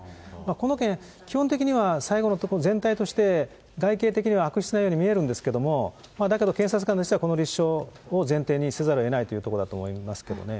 この件、基本的には最後のところ全体として、外形的には悪質なように見えるんですけども、だけど検察官としては、この立証を前提にせざるをえないというところだと思いますけどね。